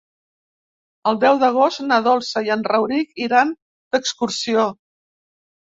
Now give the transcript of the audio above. El deu d'agost na Dolça i en Rauric iran d'excursió.